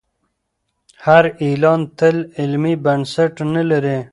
هر اعلان تل علمي بنسټ نه لري.